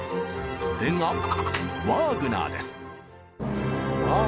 それがワーグナー。